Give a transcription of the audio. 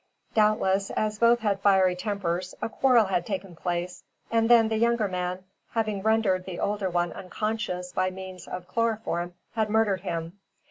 Doubtless, as both had fiery tempers, a quarrel had taken place, and then the younger man, having rendered the older one unconscious by means of chloroform, had murdered him.